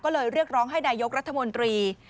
ก็เลยเรียกร้องให้นายกรัฐมนตรี